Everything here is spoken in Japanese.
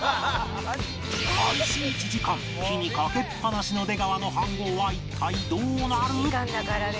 開始１時間火にかけっぱなしの出川の飯ごうは一体どうなる？